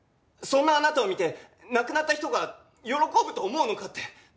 そんなあなたを見て亡くなった人が喜ぶと思うのかって。